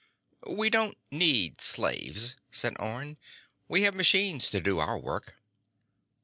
"We don't need slaves," said Orne. "We have machines to do our work.